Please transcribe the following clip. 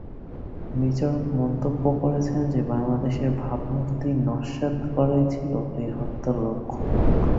বিচারক মন্তব্য করেছেন যে বাংলাদেশের ভাবমূর্তি নস্যাৎ করাই ছিল এই হত্যার লক্ষ্য।